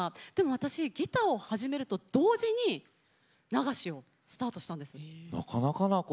私はギターを始めると同時に流しをスタートしたんです。